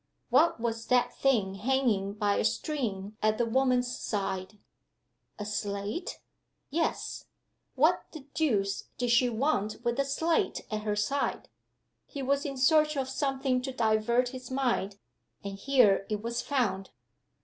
What was that thing hanging by a string at the woman's side? A slate? Yes. What the deuce did she want with a slate at her side? He was in search of something to divert his mind and here it was found.